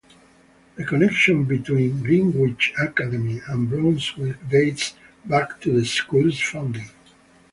The connection between "Greenwich Academy" and Brunswick dates back to the school's founding.